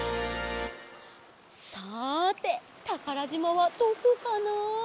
さてたからじまはどこかな？